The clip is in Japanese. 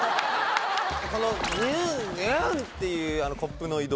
このギュンギューンっていうコップの移動